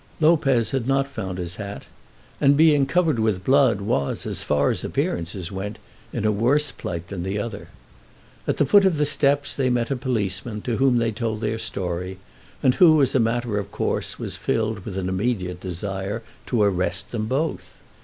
Lopez had not found his hat, and, being covered with blood, was, as far as appearances went, in a worse plight than the other. At the foot of the steps they met a policeman, to whom they told their story, and who, as a matter of course, was filled with an immediate desire to arrest them both.